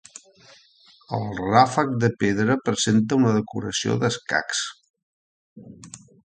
El ràfec de pedra presenta una decoració d'escacs.